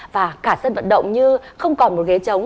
và cả sân vận động như không còn một ghế chống